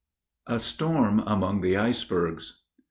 A STORM AMONG THE ICEBERGS.